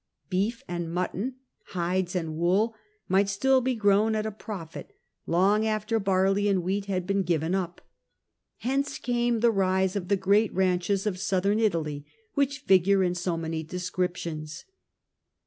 Beef and mutton, hides and wool, might still be grown at a profit, long after barley and wheat had been given up. Hence came the rise of the great ranches of Southern Italy which figure in so many descriptions.